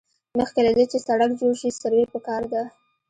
مخکې له دې چې سړک جوړ شي سروې پکار ده